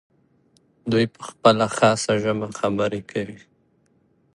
دوی په خپله خاصه ژبه خبرې کوي.